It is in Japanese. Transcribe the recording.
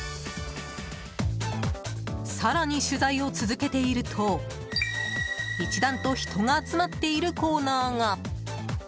更に取材を続けていると、一段と人が集まっているコーナーが。